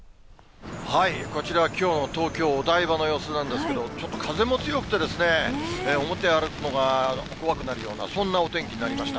こちらはきょうの東京・お台場の様子なんですけれども、ちょっと風も強くてですね、表歩くのが怖くなるような、そんなお天気になりました。